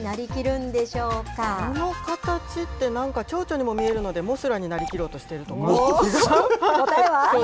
この形って、なんかちょうちょにも見えるので、モスラになりきろうとしているとか。